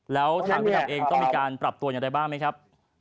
ถามสิทธิฯเองต้องมีการปรับตัวอย่างไรบ้างไหมครับ